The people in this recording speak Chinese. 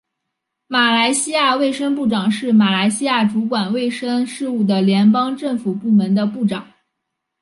马来西亚卫生部长是马来西亚主管卫生事务的联邦政府部门的部长。